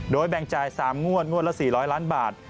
โดยแบ่งจ่าย๓งวดงวดละ๔๐๐ล้านบาท